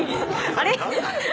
あれ？